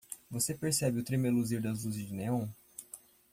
Você percebe o tremeluzir das luzes de néon?